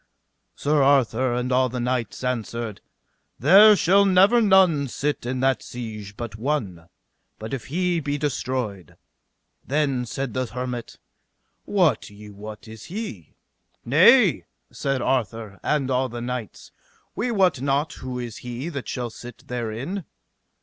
Sir Arthur and all the knights answered: There shall never none sit in that siege but one, but if he be destroyed. Then said the hermit: Wot ye what is he? Nay, said Arthur and all the knights, we wot not who is he that shall sit therein.